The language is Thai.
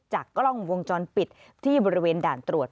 กล้องวงจรปิดที่บริเวณด่านตรวจ